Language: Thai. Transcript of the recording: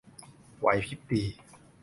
ไหวพริบดี